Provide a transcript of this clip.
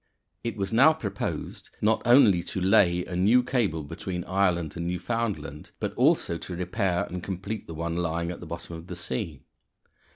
It was now proposed not only to lay a new cable between Ireland and Newfoundland, but also to repair and complete the one lying at the bottom of the sea.